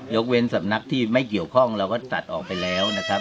กเว้นสำนักที่ไม่เกี่ยวข้องเราก็ตัดออกไปแล้วนะครับ